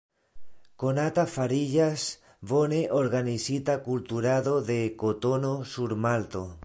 Konata fariĝas bone organizita kulturado de kotono sur Malto.